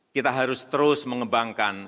kita harus terus mengembangkan